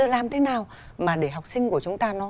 làm thế nào mà để học sinh của chúng ta nó